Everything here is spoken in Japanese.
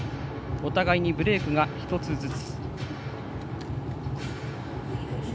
お互い、ブレーク１つずつ。